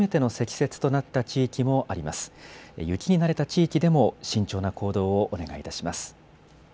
雪に慣れた地域でも慎重な行動をお願いいたします。